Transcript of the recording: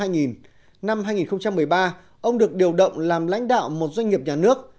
năm hai nghìn một mươi ba ông được điều động làm lãnh đạo một doanh nghiệp nhà nước